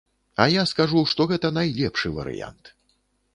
А я скажу, што гэта найлепшы варыянт.